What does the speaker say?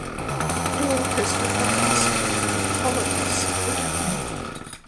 Glaucus replies: Hippolochus begat me.